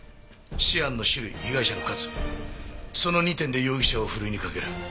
シアンの種類被害者の数その２点で容疑者をふるいにかける。